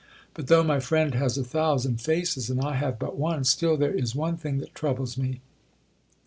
But, though my friend has a thousand faces, and I have but one, still there is one thing that troubles me.